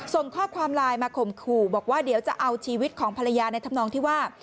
ส่งข้อความไลน์มาข่มขู่บอกว่าเดี๋ยวจะเอาชีวิตของภรรยาในธรรมนองที่ว่า